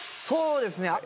そうですね。